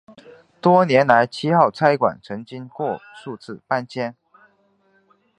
多年来七号差馆曾经过数次搬迁。